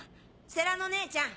世良の姉ちゃん！